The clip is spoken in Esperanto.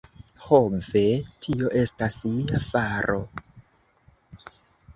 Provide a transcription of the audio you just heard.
Ho ve, tio estas mia faro!